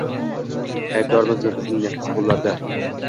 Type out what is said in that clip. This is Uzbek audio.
Aybdormizmi, bizning nafis qo’llarda